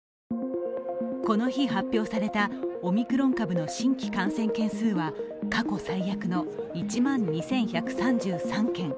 この日発表されたオミクロン株の新規感染件数は過去最悪の１万２１３３件。